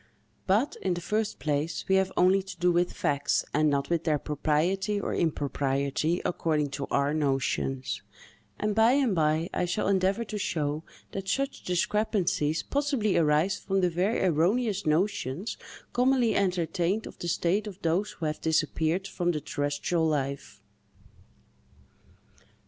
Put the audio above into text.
But, in the first place, we have only to do with facts, and not with their propriety or impropriety, according to our notions; and, by and by, I shall endeavor to show that such discrepancies possibly arise from the very erroneous notions commonly entertained of the state of those who have disappeared from the terrestrial life.